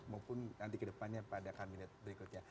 maupun nanti kedepannya pada kabinet berikutnya